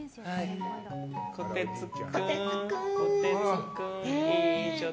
こてつ君！